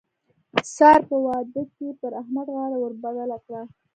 سار په واده کې پر احمد غاړه ور بدله کړه.